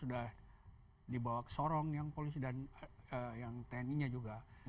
sudah dibawa ke sorong yang polisi dan yang tni nya juga